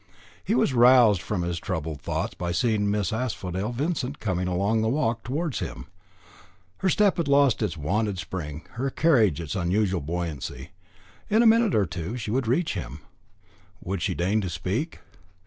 He was roused from his troubled thoughts by seeing Miss Asphodel Vincent coming along the walk towards him. Her step had lost its wonted spring, her carriage its usual buoyancy. In a minute or two she would reach him. Would she deign to speak?